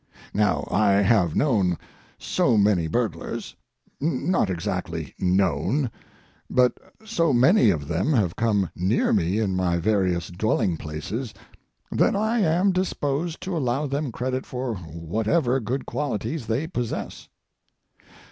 Now, I have known so many burglars—not exactly known, but so many of them have come near me in my various dwelling places, that I am disposed to allow them credit for whatever good qualities they possess.